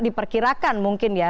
diperkirakan mungkin ya